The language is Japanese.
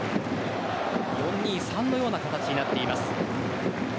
４ー２ー３のような形になっています。